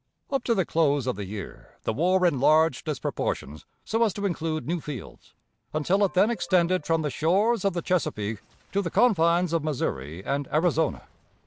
Up to the close of the year the war enlarged its proportions so as to include new fields, until it then extended from the shores of the Chesapeake to the confines of Missouri and Arizona.